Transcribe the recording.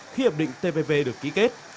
khi hiệp định tpp được ký kết